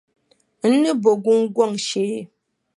N ni bo gungɔŋ shee.